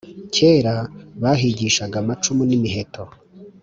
Cyera bahigishaga amacumi n’imiheto